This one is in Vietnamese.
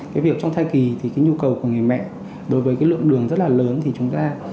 cái việc trong thai kỳ thì cái nhu cầu của người mẹ đối với cái lượng đường rất là lớn thì chúng ta